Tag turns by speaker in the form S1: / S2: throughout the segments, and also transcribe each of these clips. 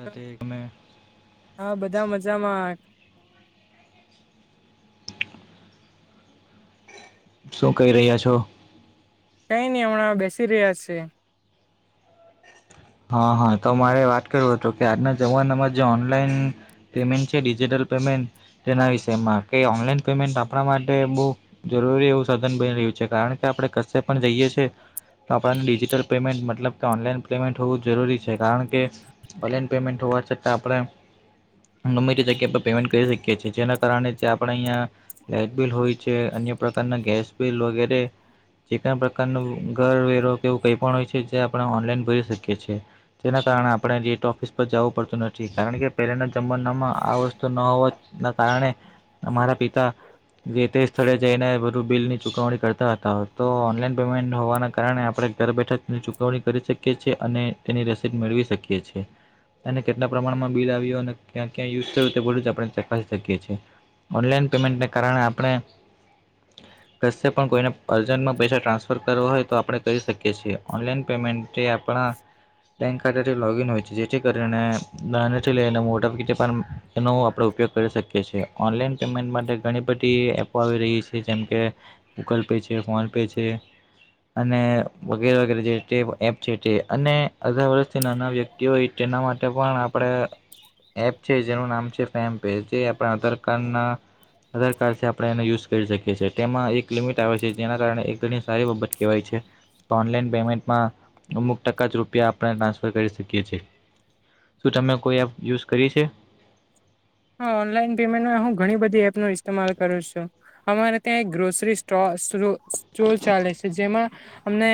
S1: સાથે તમે
S2: હા બધા મજામાં
S1: શું કહી રહ્યા છો
S2: કઈ નહ હમણાં બેસી રહ્યા છે
S1: હા હા તો મારે વાત કરું હતું કે આજના જમાનામાં જે ઓનલાઈન પેમેન્ટ છે ડિજિટલ પેમેન્ટ તેના વિષયમાં કે ઓનલાઈન પેમેન્ટ આપણા માટે બહ જરૂરી એવું સાધન બની રહ્યું છે કારણ કે આપણે કશે પણ જઈએ છીએ તો આપણને ડિજિટલ પેમેન્ટ મતલબ કે ઓનલાઈન પેમેન્ટ હોવું જરૂરી છે કારણ કે ઓનલાન પેમેન્ટ હોવા છતાં આપણે ગમી આપણે પેમેન્ટ કરી શકીએ છી જેના કારણે આપણે અહં લટ બિલ હોય છે અન્ય પ્રકારના ગેસ બલ વગેરે જે ક પ્રકાર ન ઘર વેરો કે એવું કઈ પણ હોય છે જે આપણે ઓનલાઈન ભરી શકીએ શ છે તેના કારણે આપણે રેટ ઓફિસ પર જવું પડતું નથી કારણ કે પહેલાના જમાનામાં આ વસ્તુ ન હોવા ના કારણે અમારા પિતા જે તે સ્થળે જઈને બધું બિલ ની ચુકવણી કરતા હતા તો ઓનલાઈન પેમેન્ટ હોવાના કારણે આપણે ઘર બેઠકની ચુકવણી કરી શકીએ છેીએ અને તેની રસીદ મેળવી શકીએ છીએ અનેને કેટલા પ્રમાણમાં બિલ આવ્યો અને ક્યાં ક્યાં યુઝ કર તે બું જ આપણે ચકા શકીએ છીએ ઓનલાઈન પેમેન્ટને કારણે આપણે કશે પણ કોઈને અર્જન્ટમાં પૈસા ટ્રાન્સફર કરવો હોય તો આપણે કરી શકીએ છીએ ઓનલાઈન પેમેન્ટ આપ આપણા બેંક ખાતાથીગન હોય છે જેથી કરીને લઈને મોટા પ પણ આપ ઉપયોગ કરી શકેી ઓનલાઈન પેમેન્ટ માટે ઘણી બધી એપો આવી રહી છે જેમકે ગૂગલ પે અને વગેરે વગે જે છે અને અધા વર્ષથી નાના વ્યક્તિ હોય જેના માટે પણ આપણે એપ છે જેનું નામ છે ફેે જે આપણા આધાર કારડ ના આધાર કાર્ડ આપણે એને યુઝ કરી શકીએ છીએ તેમાં એક લિમિટ આવે છે જેના કારણે ઘણી સારી બાબત કહેવાય છે ઓનલાઈન પેમેન્ટમાં અમુક ટકા જ રૂપિયા આપણે ટ્રાન્સફર કરી શકીએ છીએ શું તમે કોઈ એપ યુઝ કરી છે
S2: હા ઓનલાઈન પેમેન્ટમાં હું ઘણી બધી એપ ન ઇતેમાલ કરું છું અમારે ત્યાં એક ગ્રોસરી સ્ટોર સ્ટોલ ચાલે છે જેમાં અમને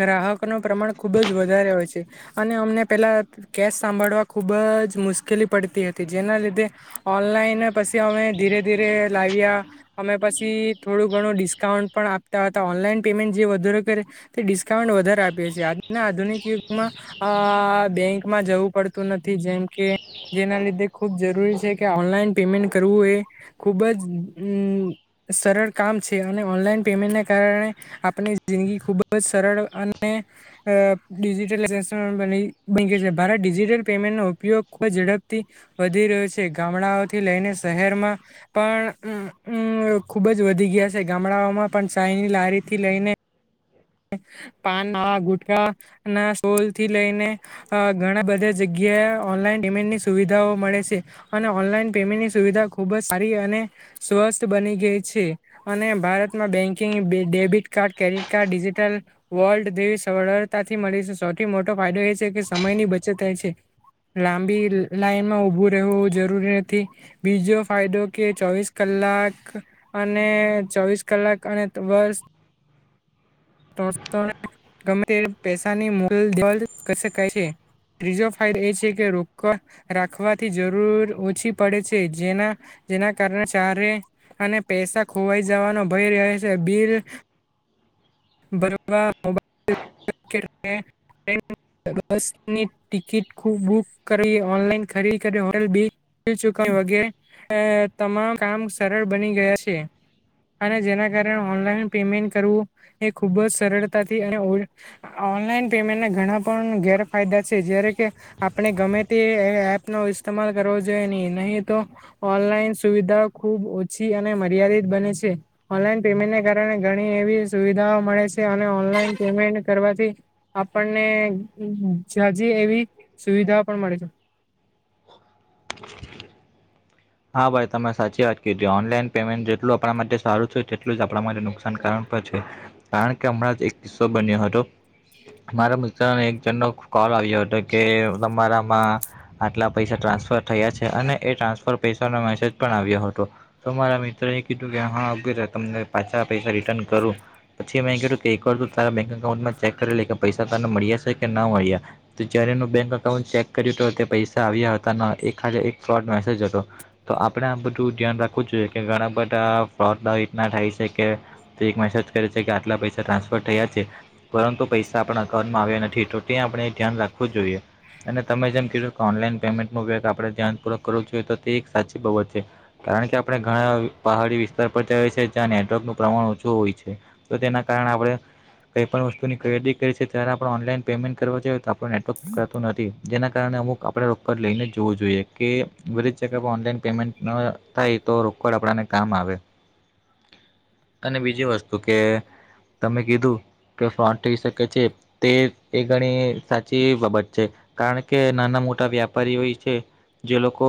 S2: ગ્રાહક ન પ્રમાણ ખુબ જ વધારે હોય છે અને અમને પેલા કેસ સાંભળવા ખુબ જ મુશ્કેલી પડતી હતી જેના લીધે ઓનલાઈન પછી અમે ધીરે ધીરે લાવ્યા અમે પછી થોડું ઘણું ડિસ્કાઉન્ટ પણ આપતા હતા ઓનલાઈન પેમેન્ટ જે વધારે કરે તે ડિસ્કાઉન્ટ વધારે આપીએીએ આજના આધુનિક યુગમાં અ બેંકમાં જવું પડતું નથી નથી જેમ કે જેના લીધે ખૂબ જરૂરી છે કે ઓનલાઈન પેમેન્ટ કરવું એ ખૂબ જ સરળ કામ છે અને ઓનલાઈન પેમેન્ટને કારણે આપની જિંદગી ખુબ જ સરળ અને ડિજિટની ભારત ડિજિટલ પેમેન્ટનો ઉપયોગ ખૂબ ઝડપ પરથી વધી રહ્યો છે ગામડાઓથી લઈને શહેરમાં પણમ ખુબ જ વધી ગયા હશે ગામડાઓમાં પણ સાઈની લારીથી લઈને પાન ગુટખ ના સોલ થી લઈને ઘણા બધા જગ્યા ઓનલાઈન પેમેન્ટની સુવિધાઓ મળે છે અને ઓનલાઈન પેમેન્ટની સુવિધા ખુબ જ સારી અને સ્વસ્થ બની ગઈ છે અને ભારતમાં banking debit card credit card digit [inaudible] સરળતાથી મળી છે સૌથી મોટો ફાયદો એ છે કે સમયની બચત થ છે લાંબી લાઈનમાં ઉભું રહેવું જરૂરી નથી બીજો ફાયદો કે ચોવીસ કલાક કલાક અને ચોવીસ કલાક અને બસ [inaudible] ગમે તે પૈસાની મુલ દલ કરી શકાય છે ત્રીજો ફાયદો એ છે કે રોક રાખવાથી જરૂર ઓછી પડે છે જેના જેના કારણે ચારે અને પૈસા ખોવાઈ જવાનો ભય રહે છે બિલ [inaudible] ટ બસ ની ટિકિટ બુક કરી ઓનલાઈન ખરીદી કરી હોટેલ બી ચુકણી વગેરે તમામ કામ સરળ બની ગયા છે અને જેના કારણે ઓનલાઈન પેમેન્ટ કરવું એ ખુબ જ સરળતાથી અને ઓનલાઈન પેમેન્ટને ઘણા પણ ગેરફાયદા છે આપણે ગમે તે એપ નો ઇસ્માલ કરવો જોઈએ નહી નહી તો ઓનલાઈન સુવિધાઓ ખૂબ ઓછી અને મર્યાદિત બને છે ઓનલાઈન પેમેન્ટને કારણે ઘણી એવી સુવિધા મળે છે અને ઓનલાઈન પેમેન્ટ કરવાથી આપણને એવી સુવિધા પણ મળે છે
S1: [unintelligible] હા ભાઈ તમે સાચી વાત કધી ઓનલાઈન પેમેન્ટ જેટલું આપણા માટે સારું છે તેટલું જ આપણા માટે નુકસાનકારણ કારણ કે હમણાં જ એક કિસ્સો બન્યો હતો મારા મિત્રને એક જણનો કોલ આવ્યો હતો કે તમારામાં આટલા પૈસા ટ્રાન્સફર થયા છે અને એ ટ્રાન્સફર પૈસાનો મેસેજ પણ આવ્યો હતો તો મારા મિત્ર કીધું કે હા તમને પાછા પૈસા રિટર્ન કરું પછી મેં કીધું કે એક વરત તારા બેંક એકઉન્ટ ચેક કરે કે પૈસા તને મળ્યા છે કે ના મળ્યા જયારે બેંક અકાઉન્ટ ચેક કર્યું તો તે પૈસા આવ્યા હતા એ ખા ફ્રોડ મેસેજ હતો તો આપણે આ બધું ધ્યાન રાખવું જ જોઈએ કે ઘણા બધા ફો થાય છે કે એક મેસેજ કરે છે કે આટલા પૈસા ટ્રાન્સફર થયા છે પરંતુ પૈસા આપણા અકાઉન્ટમાં આવ્યા નથી તો ત્યાં આપણે એ ધ્યાન રાખવું જ જોઈએ અને તમે જેમ કીધું ઓનલાઈન પેમેન્ટનો વેગ આપણે ધ્યાનપૂર્ક કરવું જોઈએ તો તે એક સાચી બાબત છે કારણ કે આપણે ઘણા પહાડી વિસ્તાર પર જાય છે જ્યાં નેટવર્કનું પ્રમાણ ઓછું હોય છે તો તેના કારણે આપણે કઈ પણ વસ્તુ ની ખરીદી કરી છે ત્યારે ઓનલાઈન પેમેન્ટ કરવા જો આપ નેટવર્ક કરતું નથી જેના કારણે અમુક આપણે રોકડ લઈને જોવું જોઈએ કે બધ જગ ઓનલાઈન પેમેન્ટ થાય તો રોકડ આપ આવે અને બીજી વસ્તુ કે તમે કીધું કે ફ થઈ શકે છે તે એ ઘણી સાચી બાબત છે કારણ કે નાના મોટા મોટા વ્યાપારીઓય છે જે લોકો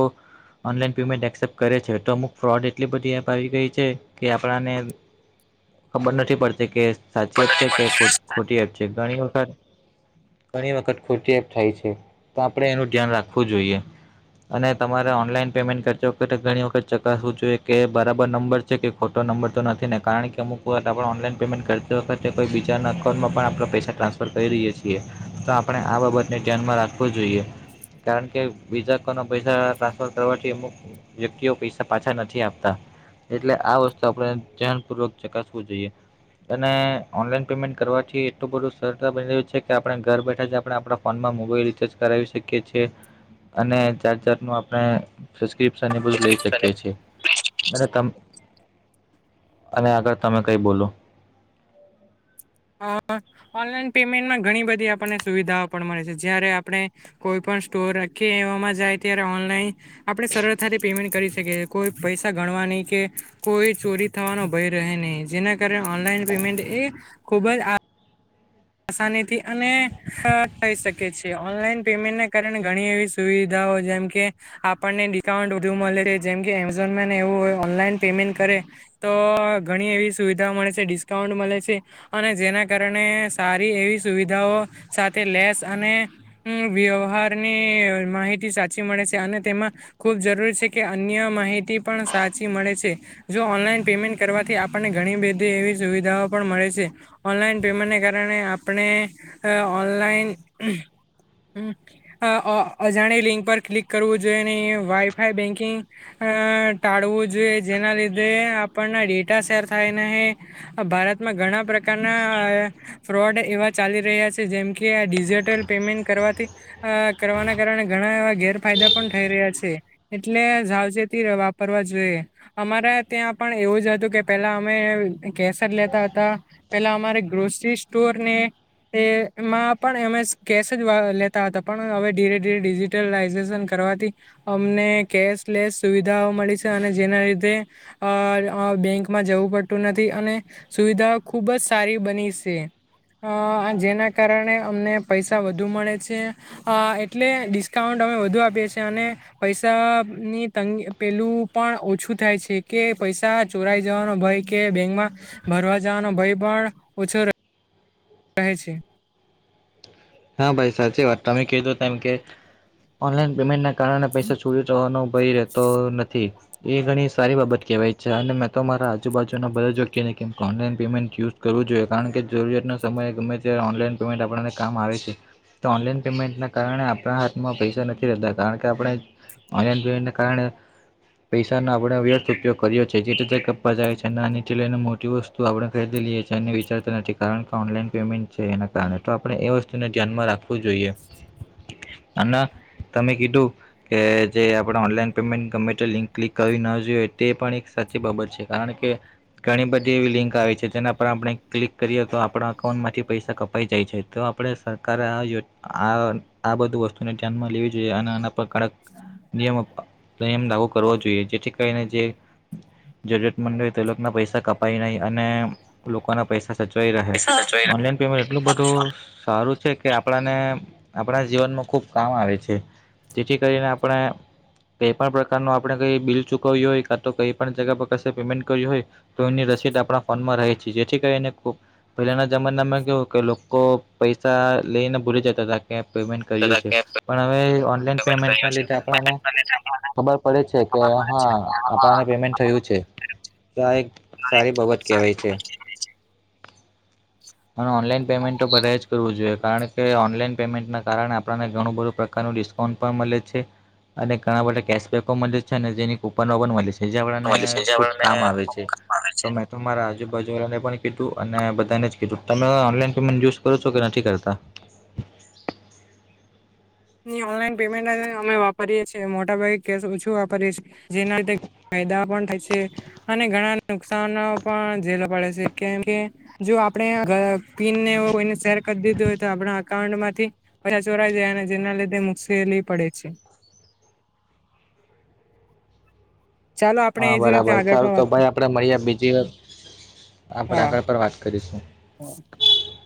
S1: ઓનલાન પેમેન્ટ એસેપ્ટ કરે છે તો અમુક ફ્રોડ એટલી બધી એપ આવી ગઈ છે કે આપણાને ખબર નથી પડતી કે સાચી એપ છે કે ખોટી એપ છે ઘણી વખત ઘણી વખત ખોટી એપ થાય છે તો આપણે એનું ધ્યાન રાખવું જોઈએ અને તમારે ઓનલાઈન પેમેન્ટ કરજ વખતે ઘણી વખત ચકાસવું જોઈએ કે બરાબર નંબર છે કે ખોટો નંબર તો નથી ને કારણ અમુક વાત આપણે ઓનલાઈન પેમેન્ટ કરતી વખતે કોઈ બીજાના અકાઉન્ટમાં પણ આપણે પસા ટ્રાન્સફર કહી ર છીએ તો આપણે આ બાબતને ધ્યાનમાં રાખવો જોઈએ કારણ કે બીજા કોઇ પૈસા ટ્રાન્સફર કરવાથી અમુક વ્યક્તિઓ પૈસા પાછા નથી આપતા એટલે આ વસ્તુ આપણે ધ્યાનપૂર્વક ચકાસવું જોઈએ અને ઓનલાઈન પેમેન્ટ કરવાથી એટલું બધું સરળતા બની રહ્યું છે કે આપણે ઘર બેઠા જ આપણે આપણા ફોનમાં. ર્ીકી અનેારર આપ. ન એ બધું લઈ શકીએ છીએ. અને આગળ તમે કઈ બોલો.
S2: ઓનલાઈન પેમેન્ટમાં ઘણી બધી આપણને સુવિધાઓ પણ મળે છે જયારે આપણે કોઈ પણ. સ્ટોરખી એવામાં જાય ત્યારે ઓનલાઈન આપણે સરળતાથી પેમેન્ટ કરી શકીએ કોઈ પૈસા ગ. કે કોઈ ચોરી થવાનો ભય રહે નહી જેના કારણે ઓનલાઈન પેમેન્ટ એ. ખૂબ જ આ. આસાનીથી અને થઈ શકે છે ઓનલાઈન પેમેન્ટને કારણે ઘણી એવી સુવિધા. જેમકે આપણને ડિસ્કાઉન્ટ વધુ મળે જેમકેમેઝોન એવું હોય ઓનલાઈન પેમેન્ટ કરે. તો ઘણી એવી સુવિધા મળે છે ડિસ્કાઉન્ટ મળે છે અને જેના કારણે. સારી એવી સુવિધાઓ સાથે લેસ અને વ્યવહારની માહિતી. સાચી મળે છે અને તેમાં ખૂબ જરૂરી છે કે અન્ય માહિતી પણ સાચી મળે છે. ઓનલાન પેમેન્ટ કરવાથી આપણને ઘણી બધી એવી સુવિધાઓ પણ મળે છે ઓનલાઈન પેમેન્ટને કારણે. ણે આપણે ઓનલાઈન. હ અજાણે લિંક પર ક્લિક કરવું જોઈએ ને વાઈફાઈ બેંકિંગ. અ ટાળવું જોઈએ જેના લીધે આપણના ડેટા શેર થાય ને ભારતમાં. ઘણા પ્રકારના. ફ્રોડ એવા ચાલી રહ્યા છે જેમ કે આ ડિજિટલ પેમેન્ટ કરવાથી કરવાના કારણે ઘણા. વા ગેરફાયદા પણ થઈ રહ્યા છે એટલે સાવચેતી વાપરવા જોઈએ અમારા. ત્યાં પણ એવું જ હતું કે પેલા અમે કેસર લેતા હતા પેલા અમારે ગ્રોસરી. ટોરને. એમાં પણ એમે કેશ જ લેતા હતા પણ હવે ધીરે ધીરે ડિજિટલાઇઝેશન કર. અમ સુવિધાઓ મળી છે અને જેના લીધે. બેંકમાં જવું પડતું નથી અને સુવિધાઓ ખુબ જ સારી બની છે. અ જેના કારણે અમને પૈસા વધુ મળે છે એટલે ડિસ્કાઉન્ટ. અમે વધુ આપીએ છી અને પૈસા ની તંગી પેલું પણ ઓછું થાય છે કે. પૈસા ચોરાઈ જવાનો ભય કે બેંકમાં ભરવા જવાનો ભય પણ ઓછો. કહે છે.
S1: હા ભાઈ સાચી વાત તમે કીધુંમ કે ઓનલાઈન પેમેન્ટ. કારણે પૈસા છોરી જવાનો ભય રહેતો નથી. એ ઘણી સારી બાબત કહેવાય છે અને મેં તો મારા આજુબાજુના બધા જો્યહી કેમ ઓનલાઈન પેમેન્ટ યુઝ કરું. જોઈએ કારણ કે જરૂરિયાતનો સમયે ગમે ત્યારે ઓનલાઈન પેમેન્ટ આપણને કામ આવે છે. ઓનલાન પેમેન્ટ કારણે આપણા હાથમાં પૈસા નથી રહેતા કારણ કે આપણે. હ ભને કારણે. પૈસાનો આપણે વ્યર્થ ઉપયોગ કર્યો છે જેથી કરીને કપા જાય છે નાની થી લઈને મોટી વસ્તુ આપણે ખરી. [unintelligible] વિચારતા નથી કારણ કે ઓનલાઈન પેમેન્ટ છે એના કારણે તો આપણે એ વસ્તુ ધ્યાન માં રાખવું જોઈએ અન તમે કીધું કે જે આપડણે ઓનલાઈન પેમેન્ટ ગમેતે લિંક ક્લિક કરવી ના જોઈએ તે પણ સારી બાબત છે કારણ કે ઘણી બધી એવી લિંક આવી છે જેના પર આપણે ક્લિક કરીએ તો આપનું એકાઉન્ટ માંથી પૈસા કપાઈ જાય છે તો આપણે સરકારે આયોજના આ આ બધું વસ્તુને ધ્યાનમાં લેવી જોઈએ અને આના કડક નિયમ નિયમ લાગુ કરવો જોઈએ જેથી કરીને જે જરૂરિયાત મંડળ હો તે લોકોના પૈસા કપાય નહી અને લોકોના પૈસા સચવાઈ રહે
S2: પૈસા સચવાઈ
S1: ઓનલાઈન પેમેન્ટ એટલું બધું સારું છે કે આપણાને આપણા જીવનમાં ખૂબ કામ આવે છે જેથી કરીને આપણે કઈ પણ પ્રકારનું આપણે કઈ બિલ ચૂકવ્યું હોય કા તો કઈ પણ જગ પર ક પેમેન્ટ કર્યું હોય તો એની રસીદ આપણા ફોનમાં રહે છે જેથી કરીને પહેલાના જમાનામાં કેવું કે લોકો પૈસા સા લઈ ને ભૂલી જતા તા કે પેમેન્ટ
S2: તથા
S1: કર્યું છે
S2: કેશ
S1: પણ હવે ઓનલાઈન પેમેન્ટ
S2: કર્યું
S1: ના
S2: છે
S1: લીધે આપણને
S2: અને
S1: ખબર પડે છે કે હા આપણાને પેમેન્ટ થયું છે. તો આ એક સારી બાબત કહેવાય છે. અને ઓનલાઈન પેમેન્ટ તો બધાએ જ કરવું જોઈએ કારણ કે ઓનલાઈન પેમેન્ટના કારણે આપણને ઘણું બધું પ્રકારનું ડિસ્કાઉન્ટ પણ મલે છે. અને ઘણા બધા કેશબેકો મલે છે અને જેની કુપન પણ મલે છે. જે આપણાને
S2: મળ્યું છે જે
S1: ખૂબ
S2: આપણને
S1: કામ આવે
S2: ખૂબ
S1: છે
S2: કામ આવે
S1: તો
S2: છે.
S1: મેં તો મારા જુ બાજુવાળાને પણ કીધું અને બધાને જ કીધું તમે ઓનલાઈન પેમેન્ટ યુઝ કરો છો તો કે નથી કરતા.
S2: ની ઓનલાઈન પેમેન્ટ અમે વાપરીએ છીએ મોટાભાગે કેશ ઓછું વાપરીએ છે જેના લીધે ફાયદા પણ થાય છે અને ઘણા નુકસાન પણ જેલવા પડે છે કેમ કે જો તો આપણે પીનને એવુ કોઈને શેર કરી દીધું હોય તો આપણા અકાઉન્ટમાંથી પઈસા ચોરાઈ જાય અને જેના લીધે મુસેલી પડે છે. ચાલો આપણે
S1: હા
S2: એજ રીતે
S1: બરાબર
S2: આગળ
S1: સારું
S2: પણ
S1: તો
S2: વાત કરીએ.
S1: ભાઈ આપણે મળીએ બીજી વાર આપણે
S2: હા.
S1: આગળ પર વાત કરીશું.
S2: [inaudible]